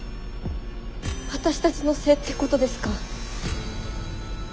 私たちのせいってことですか？